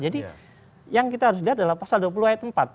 jadi yang kita harus lihat adalah pasal dua puluh ayat empat